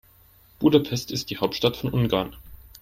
Budapest ist die Hauptstadt von Ungarn.